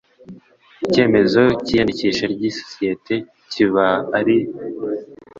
icyemezo cy iyandikisha ry isosiyete kiba ari